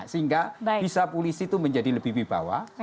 sehingga bisa polisi itu menjadi lebih lebih bawah